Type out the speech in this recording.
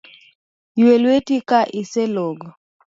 Ywe lweti ka iselogo.